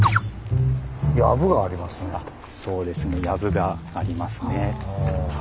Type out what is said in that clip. そうですねやぶがありますね。